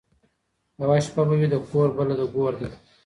یوه شپه به وي د کور بله د ګور ده